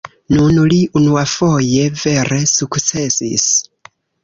Nun li unuafoje vere sukcesis.